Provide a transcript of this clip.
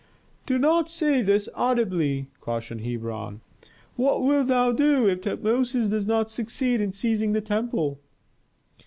"Do not say this audibly," cautioned Hebron. "What wilt thou do if Tutmosis does not succeed in seizing the temple?"